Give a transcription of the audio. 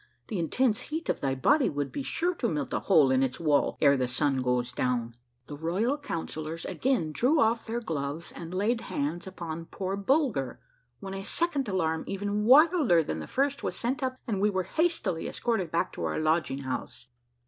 The intense heat of thy body would be sure to melt a hole in its walls ere the sun goes down." The royal councillors again drew off their gloves and laid hands upon poor Bulger, when a second alarm, even wilder than the first, was sent up and we were hastily escorted back to our lodging house.